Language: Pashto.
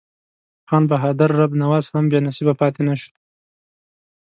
خان بهادر رب نواز هم بې نصیبه پاته نه شو.